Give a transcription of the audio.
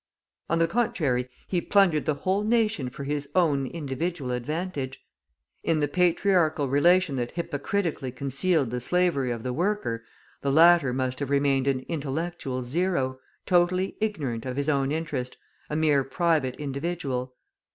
On the contrary, he plundered the whole nation for his own individual advantage. In the patriarchal relation that hypocritically concealed the slavery of the worker, the latter must have remained an intellectual zero, totally ignorant of his own interest, a mere private individual.